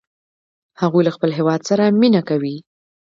هغوی له خپل هیواد سره مینه کوي